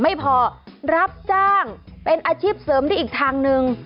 ไม่พอรับจ้างเป็นอาชีพเสริมได้อีกทางหนึ่ง